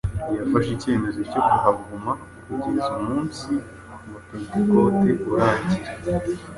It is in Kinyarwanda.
yafashe icyemezo cyo kuhaguma kugeza umunsi wa Pentekote urangiye.